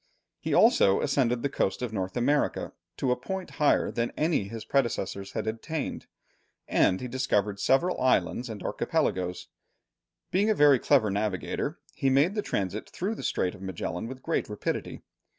He also ascended the coast of North America to a point higher than any his predecessors had attained, and he discovered several islands and archipelagos. Being a very clever navigator, he made the transit through the Strait of Magellan with great rapidity.